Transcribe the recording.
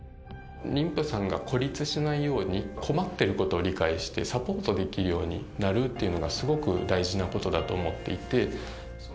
妊婦さんが孤立しないように、困ってることを理解して、サポートできるようになるというのがすごく大事なことだと思っていて。